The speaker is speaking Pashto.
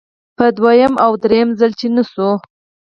په دویم او دریم ځل چې نشوه.